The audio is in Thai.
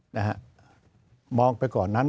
นะฮะมองไปก่อนนั้น